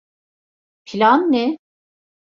Plan ne?